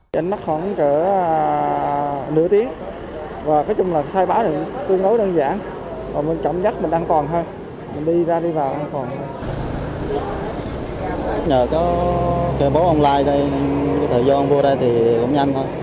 đánh mắt khoảng nửa tiếng và cái chung là khai báo này tương đối đơn giản và mình cảm giác mình an toàn hơn